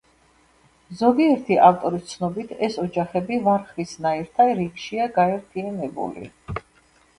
ზოგიერთი ავტორის ცნობით ეს ოჯახები ვარხვისნაირთა რიგშია გაერთიანებული.